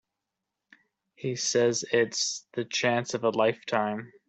He says it's the chance of a lifetime.